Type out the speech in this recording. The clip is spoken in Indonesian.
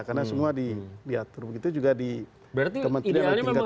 karena semua diatur begitu juga di kementerian tingkat gubernur